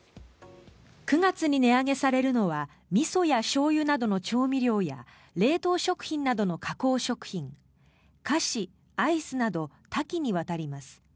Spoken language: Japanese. ９月に値上げされるのはみそやしょうゆなどの調味料や冷凍食品などの加工食品菓子、アイスなど多岐にわたります。